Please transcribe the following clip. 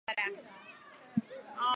Ko se sloni bojujejo, trava umira.